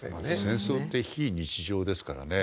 戦争って非日常ですからね。